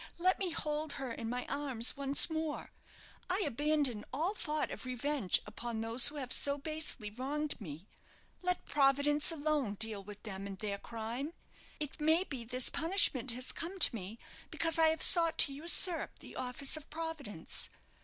Let me hold her in my arms once more. I abandon all thought of revenge upon those who have so basely wronged me. Let Providence alone deal with them and their crime. It may be this punishment has come to me, because I have sought to usurp the office of Providence.